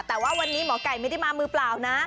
แต่ว่าวันนี้หมอไก่ไม่ได้มามือเปล่านะ